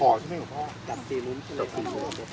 สวัสดีครับทุกคน